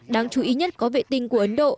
đáng chú ý nhất có vệ tinh của ấn độ